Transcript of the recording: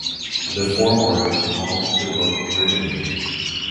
The Forward called the book "riveting".